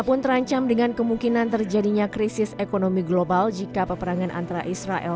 pun terancam dengan kemungkinan terjadinya krisis ekonomi global jika peperangan antara israel